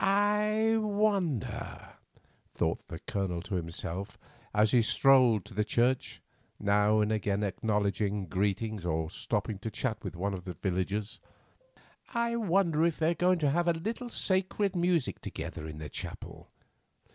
"I wonder," thought the Colonel to himself as he strolled to the church, now and again acknowledging greetings or stopping to chat with one of the villagers—"I wonder if they are going to have a little sacred music together in the chapel.